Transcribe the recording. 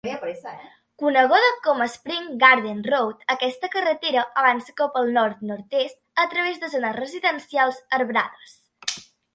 Coneguda com Spring Garden Road, aquesta carretera avança cap al nord-nord-est a través de zones residencials arbrades.